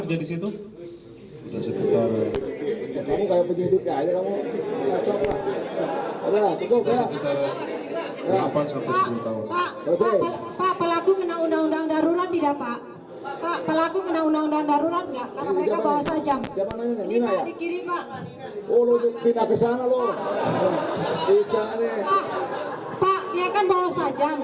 pak dia kan bawah sajam